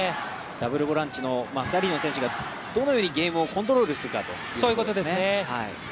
ダブルボランチの２人の選手がどのようにゲームをコントロールするかということですね。